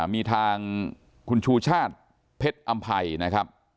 มี่ทางคุณชูญชาติเผ็ดอัมไพไทยนะครับ